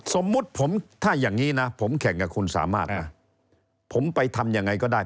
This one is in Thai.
สมมุติผมถ้าอย่างนี้นะผมแข่งกับคุณสามารถผมไปทำยังไงก็ได้